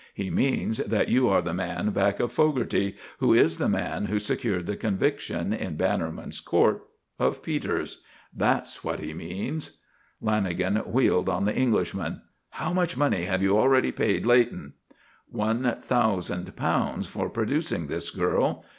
He means that you are the man back of Fogarty, who is the man who secured the conviction, in Bannerman's court, of Peters. That's what he means!" Lanagan wheeled on the Englishman. "How much money have you already paid Leighton?" "One thousand pounds for producing this girl.